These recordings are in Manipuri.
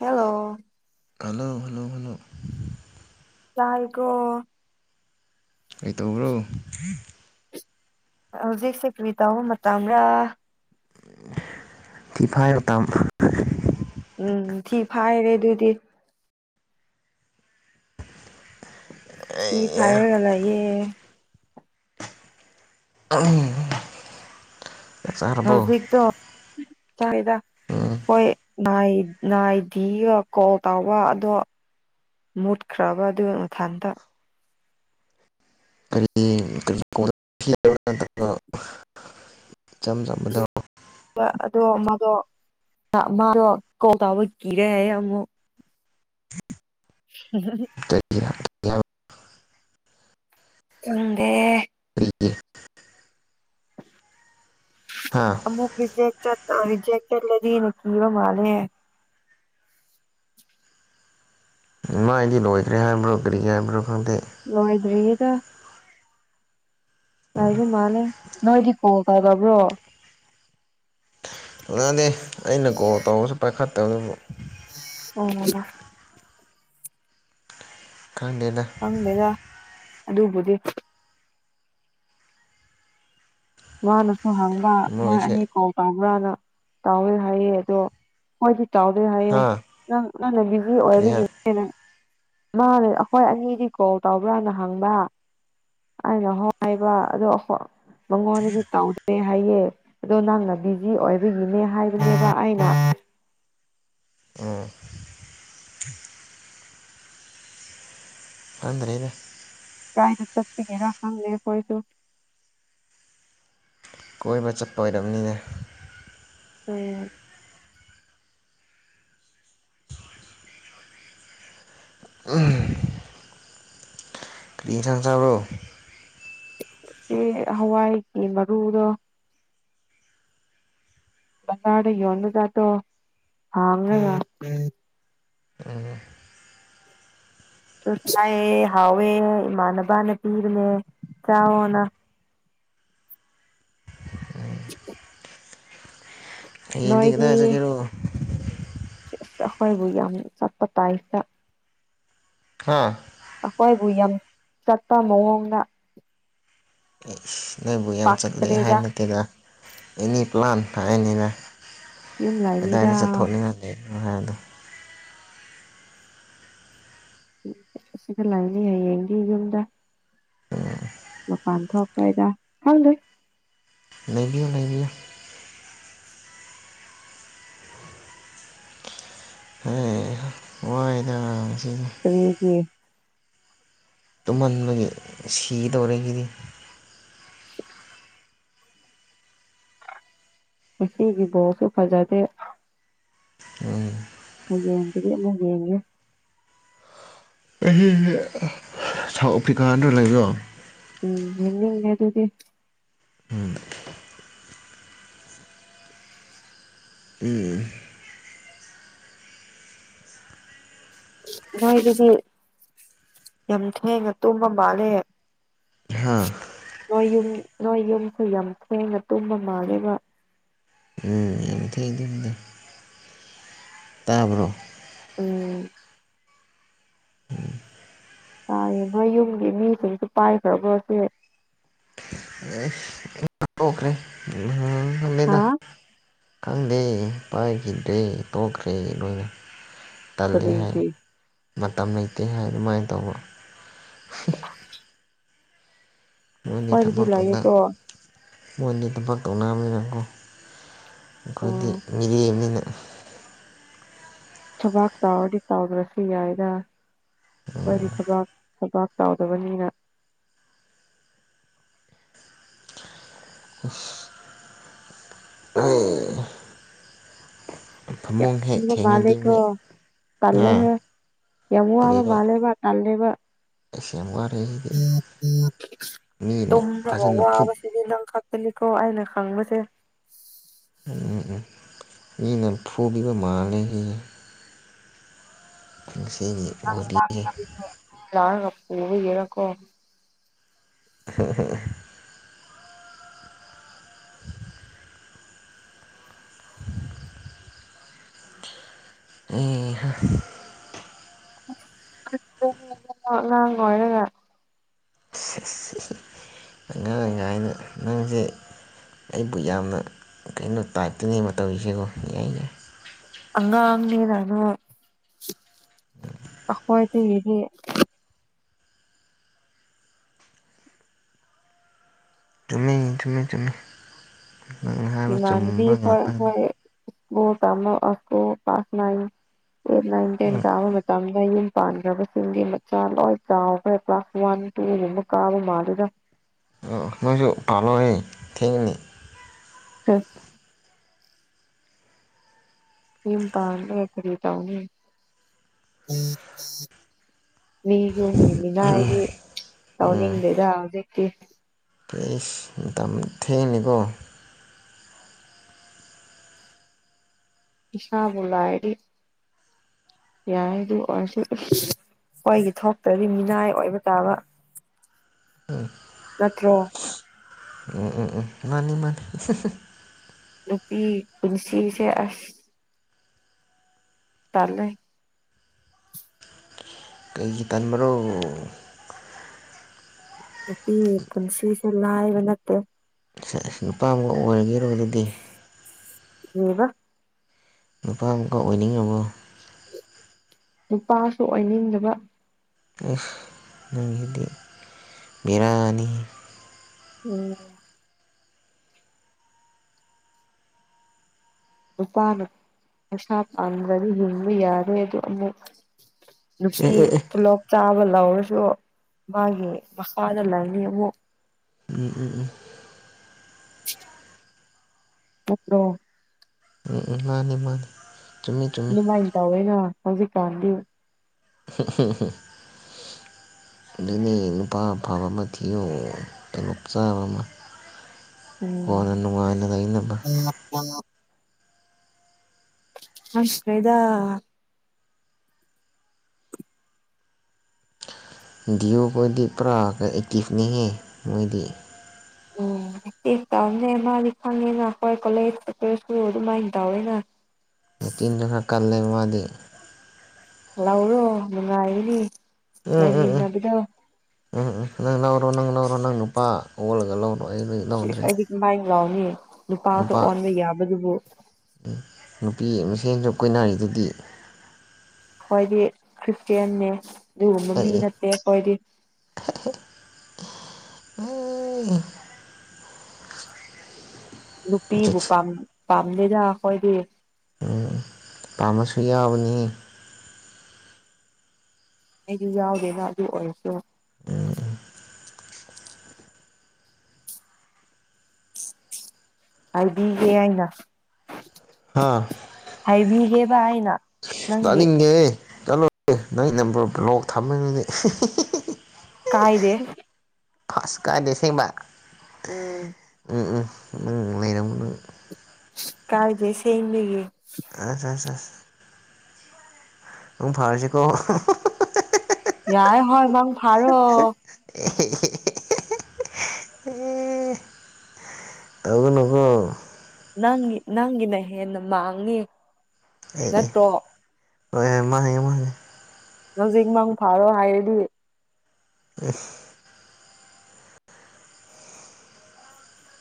ꯍꯜꯂꯣ ꯍꯜꯂꯣ ꯍꯜꯂꯣ ꯍꯜꯂꯣ ꯇꯥꯏꯒꯣ ꯀꯩꯇꯧꯕ꯭ꯔꯣ꯫ ꯍꯧꯖꯤꯛꯁꯦ ꯀꯔꯤ ꯇꯧꯕ ꯃꯇꯝꯔ ꯐꯤꯐꯥꯏ ꯃꯇꯝ ꯎꯝ ꯊꯤ ꯐꯥꯏꯔꯦ ꯑꯗꯨꯗꯤ ꯊꯤ ꯐꯥꯏꯔꯒ ꯂꯩꯌꯦ꯫ [inaudible] ꯆꯥꯛ ꯆꯥꯔꯕꯣ ꯍꯧꯖꯤꯛꯇꯣ ꯆꯥꯔꯦꯗ ꯎꯝ ꯍꯣꯏ ꯅꯥꯏ ꯅꯥꯏꯗꯤꯒ ꯀꯣꯜ ꯇꯧꯕ ꯑꯗꯣ ꯃꯨꯠꯈ꯭ꯔꯕ ꯑꯗꯨ ꯃꯊꯟꯇ ꯀꯔꯤ ꯀꯔꯤ ꯀꫭꯟꯗ [unintelligible] ꯏꯆꯝ ꯆꯝ ꯑꯗꯣ ꯃꯗꯣ ꯃꯥꯗꯣ ꯀꯣꯛ ꯇꯥꯕ ꯀꯤꯔꯦ ꯍꯥꯏꯌꯦ ꯑꯃꯨꯛ [inaudible] ꯀꯩꯒꯤ [unintelligible] ꯍꯥꯏꯕ ꯈꯪꯗꯦ ꯀꯔꯤꯒꯤ ꯍꯥꯥ ꯅꯪ ꯔꯤꯖꯦꯛ ꯆꯠ ꯑꯥ ꯔꯤꯖꯦꯛ ꯆꯠꯂꯗꯤ ꯅꯨꯡꯁꯤꯕ ꯃꯥꯜꯂꯦ꯫ ꯃꯥꯏꯗꯤ ꯂꯣꯏꯈ꯭ꯔꯦ ꯍꯥꯏꯕ꯭ꯔꯣ ꯀꯔꯤ ꯍꯥꯏꯕ꯭ꯔꯣ ꯈꯪꯗꯦ꯫ ꯂꫭꯏꯗ꯭ꯔꯤꯗ ꯂꯩꯕ ꯃꯥꯜꯂꯦ ꯅꫭꯏꯗꯤ ꯀꫭꯜ ꯇꯧꯗꯕ꯭ꯔꯣ꯫ ꯉꯗꯦ ꯑꯩꯅ ꯀꯣꯜ ꯇꯧꯔꯁꯨ ꯄꯥꯏꯈꯠꯇꯕꯗꯨꯕꯨ ꯑꯣ ꯈꯪꯗꯦꯗꯥ ꯈꯪꯗꯦꯗ ꯑꯗꯨꯕꯨꯗꯤ ꯃꯅꯥꯁꯨ ꯍꯪꯕ ꯅꯣꯏ ꯃꯣꯏꯁꯦ ꯑꯅꯤ ꯀꯥꯎ ꯇꯧꯕ꯭ꯔꯥꯅ ꯇꯥꯎꯋꯦ ꯍꯥꯏꯌꯦ ꯑꯗꯣ ꯍꯣꯏꯗꯤ ꯇꯧꯗꯦ ꯍꯥꯏꯌꯦ ꯍꯥ ꯅꯪ ꯅꯪꯅ ꯕꯤꯖꯤ ꯀꯔꯤ ꯑꯣꯏꯕꯒꯤ ꯍꯥꯏ ꯑꯩꯅ ꯃꯅꯥ ꯑꯩꯈꯣꯏ ꯑꯅꯤꯗꯤ ꯀꯣꯜ ꯇꯧꯕ꯭ꯔꯥꯅ ꯍꯪꯕ꯫ ꯑꯩꯅ ꯍꯣꯏ ꯍꯥꯏꯕ ꯑꯗꯣ ꯃꯉꯣꯟꯗꯗꯤ ꯇꯧꯗ꯭ꯔꯦ ꯍꯥꯏꯌꯦ ꯑꯗꯣ ꯅꯪꯅ ꯕꯤꯖꯤ ꯑꯣꯏꯕꯒꯤꯅꯦ ꯍꯥꯏꯕꯅꯦꯕ ꯑꯩꯅ ꯎꯝ꯫ ꯈꯪꯗ꯭ꯔꯦꯅꯦ ꯒꯥꯏꯅ ꯆꯠꯄꯤꯒꯦꯔꯥ ꯈꯪꯅꯦ ꯑꯩꯈꫭꯏꯁꯨ ꯀꯣꯏꯕ ꯆꯠꯄ ꯑꯣꯏꯔꯝꯅꯤꯅꯦ꯫ ꯎꯝ꯫ [inaudible] ꯀꯔꯤ ꯏꯟꯁꯥꯡ ꯆꯥꯕ꯭ꯔꯣ꯫ ꯁꯤ ꯍꯋꯥꯏꯒꯤ ꯃꯔꯨꯗꯣ꯫ ꯕꯖꯥꯔꯗ ꯌꫭꯟꯕ ꯖꯥꯠꯇꫭ ꯍꯥꯡꯔꯒꯥ ꯎꯝ꯫ ꯇꯨ ꯆꯥꯏꯌꯦ ꯍꯥꯎꯋꯦ ꯏꯃꯥꯟꯅꯕꯥꯅ ꯄꯤꯕ‌ꯅ‌ꯦ ꯆꯥꯎꯋ‌ꯣꯅꯥ [inaudible] ꯍꯌ‌ꯦꯡꯗꯤ ꯀꯗꯥꯏ ꯆꯠꯀꯦꯔ‌ꯣ꯫ ꯁꯦꯁ ꯑꯩꯈꯣꯏꯕꯨ ꯌꯥꯝ ꯆꯠꯄ ꯇꯥꯞꯇꯥ ꯍꯥꯥ ꯑꯩꯈꯣꯏꯕꯨ ꯌꯥꯝ ꯆꯠꯄ ꯃꯑꯣꯡꯗ ꯅꯣꯏꯕꯨ ꯌꯥꯝ ꯆꯠꯂꯦ ꯄꯥꯛꯇ꯭ꯔꯦꯗ ꯍꯥꯏꯕ ꯅꯠꯇꯦꯗ ꯑꯦꯅꯤ ꯄ꯭ꯂꯥꯟ ꯍꯥꯏꯅꯤꯅ ꯌꯨꯝ ꯂꯩꯅꯤꯗ ꯑꯗꯥꯏꯅ ꯆꯠꯊꯣꯛꯅꯤꯡꯉꯗꯤ [unintelligible] ꯁꯤꯒ ꯂꯥꯛꯅꯤ ꯍꯌꯦꯡꯗꯤ ꯌꯨꯝꯗ ꯃꯄꯥꯟ ꯊꯣꯛꯄꯩꯗ ꯈꯪꯗ‌ꯦ ꯂꯩꯕꯤꯌꯨ ꯂꯩꯕꯤꯌꯨ ꯍꯩ ꯋꯥꯏꯗ ꯉꯁꯤ ꯀꯔꯤꯒꯤ ꯇꯨꯝꯃꯟꯕꯒꯤ ꯁꯤꯗꯧꯔ‌ꯦ ꯁꯤꯗꯤ [unintelligible] ꯉꯁꯤꯒꯤ ꯕ‌ꯣꯜꯁꯨ ꯐꯖꯗꯦ ꯎꯝ ꯍꯌ‌ꯦꯡꯒꯤꯗ ꯑꯃꯨꯛ ꯌ‌ꯦꯡꯒ‌ꯦ [inaudible] ꯁꯥꯎꯠ ꯑꯐ꯭ꯔꯤꯀꯥꯗ꯭ꯔ ꯂꯩꯕꯗ‌ꯣ ꯎꯝ ꯌꯦꯡꯅꯤꯡꯗꯦ ꯑꯗꯨꯗꯤ ꯎꯝ ꯎꯝ ꯃꯤꯏꯒꯤꯗꯤ ꯌꯥꯝ ꯊꯦꯡꯅ ꯇꯨꯝꯃ ꯃꯥꯜꯂꯦ ꯍꯥꯥ ꯅꯣꯏ ꯌꯨꯝ ꯅꯣꯏ ꯌꯨꯝꯁꯦ ꯌꯥꯝ ꯊꯦꯡꯅ ꯇꯨꯝꯕ ꯃꯥꯜꯂꯤꯕ ꯎꯝ ꯌꯥꯝ ꯊꯦꯡꯗꯕꯥꯅꯤꯗ ꯇꯥꯕ꯭ꯔ‌ꯣ ꯎꯝ ꯇꯥꯏꯌꯦ ꯅꯣꯏ ꯌꯨꯝꯒꯤ ꯃꯤꯁꯤꯡꯁꯨ ꯄꯥꯏꯈ꯭ꯔꯕ꯭ꯔꯣꯁꯦ ꯑꯦꯁ ꯇꯣꯛꯈ꯭ꯔꯦ [unintelligible] ꯍꯥ ꯈꯪꯗ‌ꯦ ꯄꯥꯏꯒꯤꯗ‍꯭ꯔ‌ꯦ ꯇ‌ꯣꯛꯈꯔꯦ ꯅ‌ꯣꯏꯅ ꯇꯜꯂ‌ꯦ ꯍꯥꯏ ꯀꯔꯤꯒꯤ ꯃꯇꯝ ꯂꯩꯇꯦ ꯍꯥꯏ ꯑꯗꯨꯃꯥꯏꯅ ꯇꯧꯕ ꯅꯣꯏꯅꯤ ꯍꯣꯏꯗꯤ ꯊꯕꯥꯛ ꯇꯧꯅ ꯂꯩꯌꯦꯀꯣ ꯃꯣꯏꯗꯤ ꯊꯕꯛ ꯇꯧꯔꯕꯅꯤꯅꯀꯣ ꯑꯩꯈꯣꯏꯗꯤ ꯎꯝ ꯃꯤꯔꯦꯝꯅꯤꯅ ꯊꯥꯕꯥꯛ ꯇꯧꯔꯗꯤ ꯇꯥꯎꯗ꯭ꯔꯁꯨ ꯌꯥꯏꯗ ꯑꯈ‌ꯣꯏꯗꯤ ꯊꯕꯥꯛ ꯊꯕꯥꯛ ꯇꯧꯗꯕꯅꯤꯅ ꯍꯣꯏ ꯌꯥꯝ ꯍꯦꯛ ꯇꯨꯝꯅꯤꯡꯕ ꯊꯦꯡꯉꯗꯤ ꯃꯤꯠ ꯃꯥꯜꯂ‌ꯦꯀ‌ꯣ ꯍꯥ ꯇꯜꯂꯦꯍ‌ꯦ ꯌꯥꯝ ꯋꯥꯕ ꯃꯥꯜꯂ‌ꯦꯕ ꯇꯜꯂ‌ꯦꯕ ꯑꯦꯁ ꯌꯥꯝ ꯋꯥꯔꯦꯁꯤꯗꯤ ꯃꯤꯅ ꯐꯖꯅ ꯐꯨꯠ ꯁꯤꯗꯤ ꯅꯪ ꯈꯛꯇꯅꯤꯀ‌ꯣ ꯑꯩꯅ ꯈꯪꯕꯁꯦ ꯃꯤꯅ ꯐꯨꯕꯤꯕ ꯃꯥꯂꯦ ꯁꯤꯁꯦ ꯀꯨꯝꯁꯤꯒꯤ [unintelligible] ꯌꯥꯔꯒꯥ ꯄꯨꯕꯤꯒ‌ꯤꯔꯀ‌ꯣ [unintelligible] [unintelligible] ꯍꯩ ꯍꯥ ꯑꯉꯥꯡ ꯂꯣꯏꯔꯒ [unintelligible] ꯑꯉꯥꯡꯒꯥꯏꯅ ꯅꯪꯖꯤ ꯑꯩꯕꯨ ꯌꯥꯝꯅ ꯂꯥꯛꯇꯣꯏꯅꯤ ꯃꯇꯝꯁꯤꯀꯣ ꯌꯥꯏ ꯌꯥꯏ ꯑꯉꯥꯡꯅꯤ ꯅꯥꯏꯅ ꯑꯩꯈꯣꯏꯗꯒꯤꯗꯤ ꯆꯨꯝꯃꯦ ꯆꯨꯝꯃꯦ ꯅꯪꯅ ꯏꯃꯥꯟꯅꯕꯤ ꯍꯣꯏ ꯑꯩꯈꯣꯏ [unintelligible] class nine eight nine ten ꯎꯝ ꯀꯥꯕ ꯃꯇꯝꯗ ꯌꯨꯝ ꯄꯥꯟꯈ꯭ꯔꯕꯁꯤꯡꯗꯤ ꯃꯆꯥ ꯂꯣꯏ ꯆꯥꯎꯈ꯭ꯔꯦ ꯀ꯭ꯂꯥꯁ ꯋꯥꯟ ꯇꯨꯒꯨꯝꯕ ꯀꯥꯕ ꯃꯥꯜꯂꯤꯗ ꯑꯥ ꯅꯣꯏꯒꯤ ꯄꯥꯜꯂꯣꯍꯦ ꯊꯦꯡꯅꯤ [unintelligible] ꯌꯨꯝ ꯄꯥꯜꯂꯦ ꯀꯔꯤ ꯇꯧꯅꯤ ꯃꯤ ꯌꯨꯝꯒꯤ ꯃꯤꯅꯥꯏꯗꯤ ꯇꯧꯅꯤꯡꯗꯦꯗ ꯍꯧꯖꯤꯛꯇꯤ ꯏꯁ ꯃꯇꯝ ꯊꯦꯡꯅꯤꯀꯣ ꯏꯁꯥꯕꯨ ꯂꯥꯏꯔꯤ [unintelligible] ꯌꯥꯏ ꯑꯗꯨ ꯑꯣꯏꯔꯁꯨ ꯑꯩꯈꯣꯏꯒꯤ ꯊꯣꯛꯇꯗꯤ ꯃꯤꯅꯥꯏ ꯑꯣꯏꯕ ꯇꯥꯕ [unintelligible] ꯅꯠꯇ꯭ꯔꯣ ꯎꯝ ꯎꯝ ꯎꯝ ꯃꯥꯅꯤ ꯃꯥ [unintelligible] ꯅꯨꯄꯤ ꯄꯨꯟꯁꯤꯁꯦ ꯑꯁ ꯇꯜꯂꯦ ꯀꯩꯒꯤ ꯇꯟꯕ꯭ꯔꯣ ꯅꯨꯄꯤꯒꯤ ꯄꯨꯟꯁꯤꯁꯦ ꯂꯥꯏꯕ ꯅꯠꯇꯦ ꯁꯦꯁ ꯅꯨꯄꯥ ꯑꯃꯨꯛ ꯑꯣꯏꯔꯒꯦꯔꯣ ꯑꯗꯨꯗꯤ [unintelligible] ꯅꯨꯄꯥ ꯑꯃꯨꯛꯀ ꯑꯣꯏꯅꯤꯡꯉꯕꯣ ꯅꯨꯄꯥꯁꯨ ꯑꯣꯏꯅꯤꯡꯗꯕ ꯑꯁ ꯅꯪꯖꯤꯗꯤ ꯕꯦꯔꯥꯅꯤꯍꯦ [unintelligible] ꯅꯨꯄꯥꯅ ꯄꯩꯁꯥ ꯇꯥꯟꯗ꯭ꯔꯗꯤ ꯍꯤꯡꯕ ꯌꯥꯔꯣꯏ ꯑꯗꯨ ꯑꯃꯨꯛ ꯑꯦ ꯅꯨꯄꯤ ꯑꯦ ꯑꯦ ꯇꯣꯂꯣꯞ ꯆꯥꯕ ꯂꯧꯔꯁꯨ ꯃꯥꯒꯤ ꯃꯈꯥꯗ ꯂꯩꯅꯤ ꯑꯃꯨꯛ ꯎꯝ ꯎꯝ ꯎꯝ ꯅꯠꯇ꯭ꯔꯣ ꯎꯝ ꯎꯝ ꯃꯥꯅꯤ ꯃꯥꯅꯤ ꯆꯨꯝꯃꯤ ꯆꯨꯝꯃꯤ ꯑꯗꯨꯃꯥꯏꯅ ꯇꯧꯋꯦꯅ ꯍꯧꯖꯤꯛꯀꯥꯟꯗꯤ [unintelligible] ꯑꯗꯨꯅꯦ ꯅꯨꯄꯥ ꯑꯐꯕ ꯑꯃ ꯊꯤꯌꯣ ꯇꯣꯂꯣꯞ ꯆꯥꯕ ꯑꯃ ꯎꯝ ꯀꯣꯟꯅ ꯅꯨꯡꯉꯥꯏꯅ ꯂꯩꯅꯕ [unintelligible] ꯑꯁ [unintelligible] ꯗꯤꯌꯣ ꯈꯣꯏꯗꯤ ꯄꯨꯔꯥ ꯑꯦꯛꯇꯤꯞꯅꯦꯍꯦ ꯃꯣꯏꯗꯤ ꯎꯝ ꯑꯦꯛꯇꯤꯞ ꯄꯥꯝꯗꯦ ꯃꯥꯗꯤ ꯈꯪꯉꯦꯗ ꯑꯩꯈꯣꯏ ꯀꯣꯂꯦꯖ ꯁꯨ ꯑꯗꯨꯃꯥꯏꯅ ꯇꯧꯋꯦꯅ ꯑꯦꯛꯇꯤꯡꯖꯨ ꯈꯔ ꯀꯜꯂꯦ ꯃꯥꯗꯤ ꯂꯧꯔꯣ ꯅꯨꯡꯉꯥꯏꯒꯅꯤ ꯎꯝ ꯎꯝ ꯎꯝ ꯂꯩꯃꯤꯟꯅꯕꯗꯣ ꯎꯝ ꯎꯝ ꯅꯪ ꯂꯧꯔꯣ ꯅꯪ ꯅꯪ ꯂꯧꯔꯣ ꯅꯪ ꯅꯨꯄꯥ [unintelligible] ꯁꯤꯁ ꯂꯧꯗ꯭ꯔꯦ ꯑꯩꯗꯤ ꯀꯃꯥꯏ ꯂꯧꯅꯤ ꯅꯨꯄꯥꯁꯨ ꯑꯣꯟꯕ ꯌꯥꯕꯗꯨꯕꯨ ꯎꯝ ꯅꯨꯄꯤ ꯃꯁꯦꯟꯁꯨ ꯀꯨꯣꯏꯅꯔꯤꯗꯨꯗꯤ ꯑꯩꯈꯣꯏꯗꯤ [unintelligible] ꯑꯗꯨꯒꯨꯝꯕ ꯃꯤ ꯑꯦ ꯑꯦ ꯅꯠꯇꯦ ꯑꯩꯈꯣꯏꯗꯤ ꯑꯦ ꯅꯨꯄꯤꯕꯨ ꯆꯠꯁ ꯄꯥꯝ ꯄꯥꯝꯗꯦꯗ ꯑꯩꯈꯣꯏꯗꯤ ꯎꯝ ꯄꯥꯝꯕꯁꯨ ꯌꯥꯎꯕꯅꯤ ꯑꯩꯗꯤ ꯌꯥꯎꯗꯦꯗ ꯑꯗꯨ ꯑꯣꯏꯔꯁꯨ ꯎꯝ ꯍꯥꯏꯕꯤꯒꯦ ꯑꯩꯅ ꯍꯥꯥ ꯍꯥꯏꯕꯤꯒꯦꯕ ꯑꯩꯅ ꯅꯪꯒꯤ ꯇꯥꯅꯤꯡꯗꯦꯍꯦ ꯆꯠꯂꯣ ꯅꯪ ꯅꯝꯕꯔ ꯕ꯭ꯂꯣꯛ ꯊꯝꯃꯅꯤꯅꯦ ꯀꯥꯏꯗꯦ ꯐꯥꯁ ꯀꯥꯏꯗꯦ ꯑꯁꯦꯡꯕ ꯎꯝ ꯎꯝ ꯅꯪ ꯂꯩꯔꯝꯒꯅꯨ ꯀꯥꯏꯗꯦ ꯑꯁꯦꯡꯕꯒꯤ ꯑꯁ ꯑꯁ ꯑꯁ ꯃꯪ ꯐꯥꯔꯁꯤ ꯀꯣ ꯌꯥꯔꯦ ꯍꯣꯏ ꯃꯡ ꯐꯥꯔꯣ [unintelligible] ꯑꯦ ꯇꯧꯒꯅꯨꯀꯣ ꯅꯪꯒꯤ ꯅꯪꯒꯤꯅ ꯍꯦꯟꯅ ꯃꯥꯡꯅꯤ ꯑꯦ ꯑꯦ ꯅꯠꯇ꯭ꯔꯣ ꯍꯣꯏ ꯍꯣꯏ ꯃꯥꯡꯉꯦ ꯃꯥꯉꯦ ꯍꯧꯖꯤꯛ ꯃꯪ ꯐꯥꯔꯣ ꯍꯥꯏꯔꯗꯤ [unintelligible]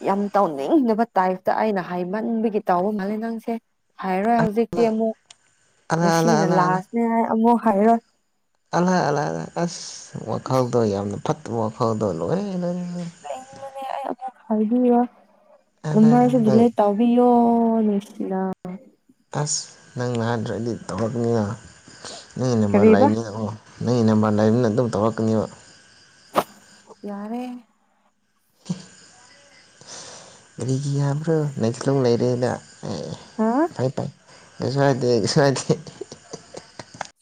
ꯌꯥꯝ ꯇꯧꯅꯤꯡꯗꯕ ꯇꯥꯏꯞꯇ ꯑꯩꯅ ꯍꯥꯏꯃꯟꯕꯒꯤ ꯇꯥꯎꯕ ꯃꯥꯜꯂꯦ ꯅꯪꯁꯦ ꯍꯥꯏꯔꯣꯏ ꯍꯧꯖꯤꯛ ꯇꯦ ꯑꯃꯨꯛ ꯑꯂꯥ ꯑꯂꯥ ꯉꯁꯤꯅ ꯑꯂꯥ ꯑꯂꯥ ꯂꯥꯁꯅꯦ ꯍꯥꯏ ꯑꯃꯨꯛ ꯍꯥꯏꯔꯣꯏ [unintelligible] ꯑꯁ ꯋꯥꯈꯜꯗꯣ ꯌꯥꯝꯅ ꯐꯠꯇꯕ ꯋꯥꯈꯜꯗꯣ ꯂꯣꯏꯔꯦ ꯂꯣꯏꯔꯦ ꯑꯗ [unintelligible] ꯅꯪ ꯇꯧꯕꯤꯌꯣ ꯅꯨꯡꯁꯤꯅ ꯑꯁ ꯅꯪ ꯅꯥꯗ꯭ꯔꯗꯤ ꯇꯧꯔꯛꯅꯤꯅ ꯅꯪ ꯅꯝꯕꯔ ꯀꯔꯤꯕ ꯂꯩꯅꯤꯅꯀꯣ ꯅꯩ ꯅꯝꯕꯔ ꯂꯩꯕꯅꯤꯅ ꯑꯗꯨꯝ ꯇꯧꯔꯛꯀꯅꯦꯕ ꯌꯥ꯭ꯔꯦ ꯀꯔꯤꯒꯤ ꯌꯥꯕ꯭ꯔꯣ [unintelligible] ꯂꯩꯔꯦꯅ ꯑꯩ ꯍꯥ ꯐꯩ ꯐꯩ ꯀꯩꯁꯨ ꯍꯥꯏꯗꯦ ꯀꯩꯁꯨ ꯍꯥꯏꯗꯦ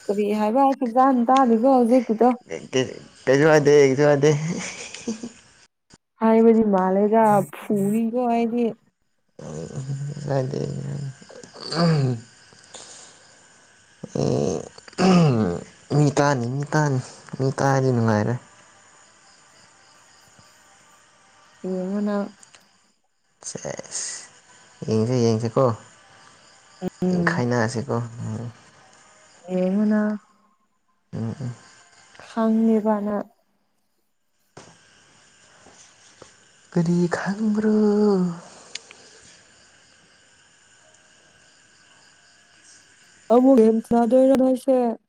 ꯀꯔꯤ ꯍꯥꯏꯕ ꯑꯩ ꯐꯖꯅ ꯇꯥꯗꯦꯗ ꯍꯧꯖꯤꯛꯀꯤꯗꯣ ꯑꯦ ꯀꯩꯁꯨ ꯍꯥꯏꯗꯦ ꯀꯩꯁꯨ ꯍꯥꯏꯗꯦ ꯍꯥꯏꯕꯗꯤ ꯃꯥꯂꯦꯗ ꯐꯨꯅꯤꯀꯣ ꯑꯩꯗꯤ [unintelligible] [unintelligible] ꯃꯤ ꯇꯥꯅꯤ ꯃꯤ ꯇꯥꯅꯤ ꯃꯤ ꯇꯥꯅꯤ ꯅꯨꯡꯉꯥꯏꯔꯣꯏ꯫ ꯌꯦꯡꯉꯨ ꯅꯪ ꯁꯦꯁ ꯌꯦꯡꯁꯦ ꯌꯦꯡꯁꯦꯀꯣ꯫ ꯎꯝ ꯈꯥꯏꯅꯁꯤꯀꯣ ꯎꯝ ꯌꯦꯉꯨꯅ ꯎꯝ ꯎꯝ ꯈꯪꯅꯤꯕꯅ ꯀꯔꯤ ꯈꯪꯕ꯭ꯔꯣ? [unintelligible]